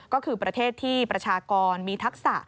ก็คือประเทศที่ประชากรมีทักษะ